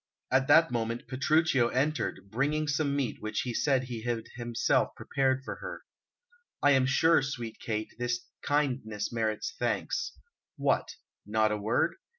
At that moment Petruchio entered, bringing some meat which he said he had himself prepared for her. "I am sure, sweet Kate, this kindness merits thanks. What, not a word?